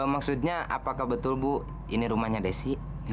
maksudnya apakah betul bu ini rumahnya desi